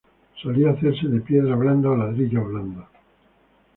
Solía hacerse de piedra blanda o ladrillos blandos.